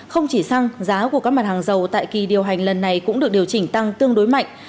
không chỉ xăng giá của các mặt hàng dầu tại kỳ điều hành lần này cũng được điều chỉnh tăng tương đối mạnh